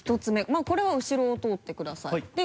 まぁこれは後ろを通ってくださいはい。